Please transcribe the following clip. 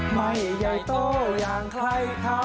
ไม่ใหญ่โตอย่างใครเขา